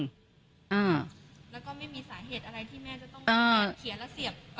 อ่าแล้วก็ไม่มีสาเหตุอะไรที่แม่จะต้องเขียนแล้วเสียบ